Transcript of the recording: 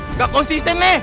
nggak konsisten nih